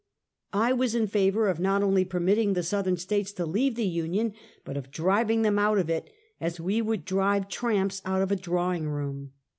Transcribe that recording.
I was in favor of not only permitting the Southern States to leave the Union, but of driving them out of it as we would drive tramps out of a drawing room.